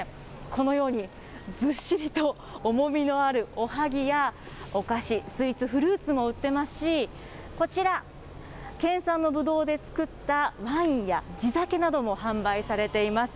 このようにずっしりと重みのあるおはぎや、お菓子、スイーツ、フルーツも売ってますし、こちら、県産のブドウで作ったワインや地酒なども販売されています。